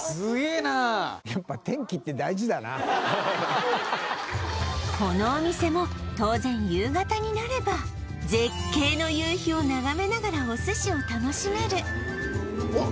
スゲえなこのお店も当然夕方になれば絶景の夕日を眺めながらお寿司を楽しめるうわ